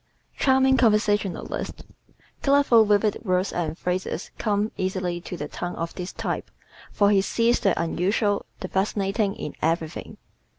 Charming Conversationalist ¶ Colorful, vivid words and phrases come easily to the tongue of this type for he sees the unusual, the fascinating, in everything.